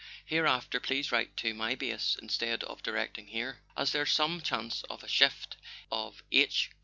Hereafter please write to my Base instead of directing here, as there's some chance of a shift of H.